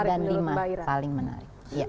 segment empat dan lima paling menarik